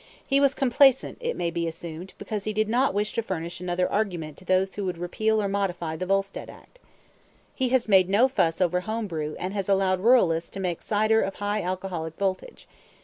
He was complaisant, it may be assumed, because he did not wish to furnish another argument to those who would repeal or modify the Volstead act. He has made no fuss over home brew and has allowed ruralists to make cider of high alcoholic voltage.